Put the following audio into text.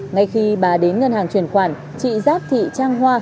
ngay khi bà đến ngân hàng chuyển khoản chị giáp thị trang hoa